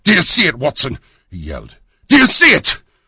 "You see it, Watson?" he yelled. "You see it?"